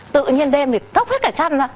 tự nhiên đem thì tốc hết cả chân ra